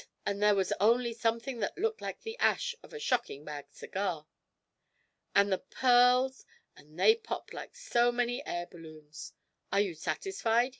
and there was only something that looked like the ash of a shocking bad cigar. Then the pearls and they popped like so many air balloons. "Are you satisfied?"